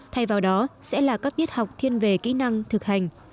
thay vào đó sẽ là các tiết học thiên về kỹ năng thực hành